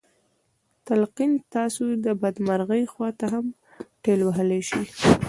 تلقين تاسې د بدمرغۍ خواته هم ټېل وهلی شي.